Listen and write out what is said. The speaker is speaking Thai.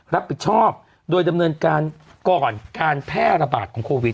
รับผิดชอบโดยดำเนินการก่อนการแพร่ระบาดของโควิด